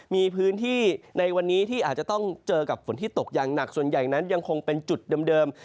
มีพื้นที่ในวันนี้ที่อาจจะต้องเจอกับฝนที่ตกอย่างหนักส่วนใหญ่นั้นยังคงเป็นจุดเดิม